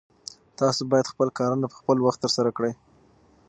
تاسو باید خپل کارونه په خپل وخت ترسره کړئ.